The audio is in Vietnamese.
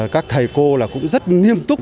các thầy cô cũng rất nghiêm túc